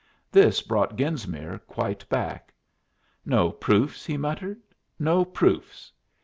This brought Genesmere quite back. "No proofs!" he muttered. "No proofs!"